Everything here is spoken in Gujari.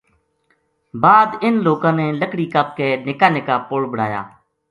بعد اِن لوکاں نے لکڑی کپ کے نِکا نِکا پل بڑایا